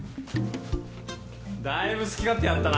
だいぶ好き勝手やったな。